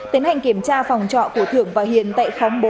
tiến hành kiểm tra phòng trọ của thưởng và hiền tại khóng bốn